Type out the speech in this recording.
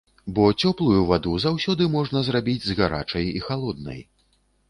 Бо цёплую ваду заўсёды можна зрабіць з гарачай і халоднай.